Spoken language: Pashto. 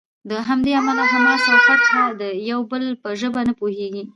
له همدې امله حماس او فتح د یو بل په ژبه نه پوهیږي.